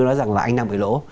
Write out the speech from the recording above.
nói rằng là anh đang bị lỗ